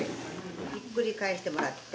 ひっくり返してもらって。